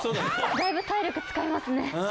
だいぶ体力使いますね。